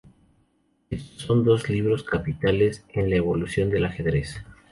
Estos son dos libros capitales en la evolución del ajedrez.